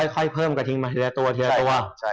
ค่อยเพิ่มกระทิงมาทีละตัวทีละตัว